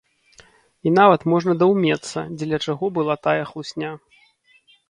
І нават можна даўмецца, дзеля чаго была тая хлусня.